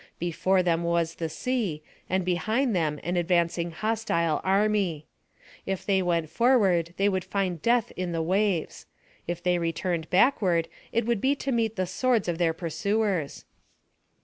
— Before them was the sea, and behind them an ad vancing hostile army If they went forward, they 82 PHILOSOPHY OP THE would find death in the waves ; if they returned backward, it would be to meet the swords of their pursuers.